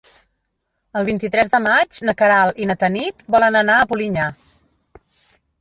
El vint-i-tres de maig na Queralt i na Tanit volen anar a Polinyà.